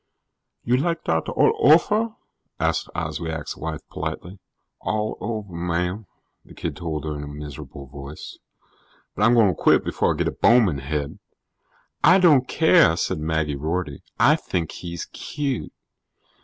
"You like dot all ofer?" asked Oswiak's wife politely. "All over, ma'am," the kid told her in a miserable voice. "But I'm going to quit before I get a Bowman Head." "I don't care," said Maggie Rorty. "I think he's cute."